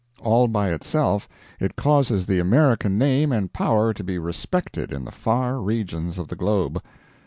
All by itself it causes the American name and power to be respected in the far regions of the globe.